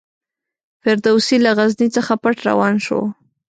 فردوسي له غزني څخه پټ روان شو.